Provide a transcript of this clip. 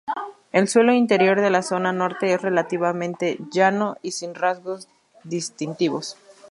El suelo interior de la zona norte es relativamente llano y sin rasgos distintivos.